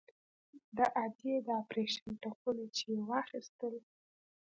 د ادې د اپرېشن ټکونه چې يې واخيستل.